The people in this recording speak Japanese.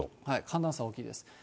寒暖差大きいです。